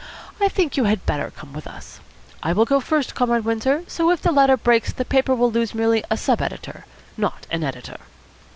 I think you had better come with us. I will go first, Comrade Windsor, so that if the ladder breaks, the paper will lose merely a sub editor, not an editor."